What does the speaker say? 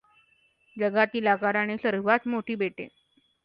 जगातील आकाराने सर्वात मोठी बेटे